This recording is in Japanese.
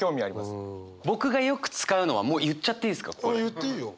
言っていいよ。